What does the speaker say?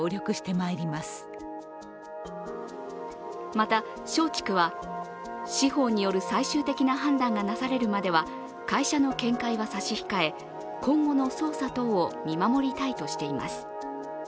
また松竹は、司法による最終的な判断がなされるまでは会社の見解は差し控え今後の捜査等を見守りたいとしています。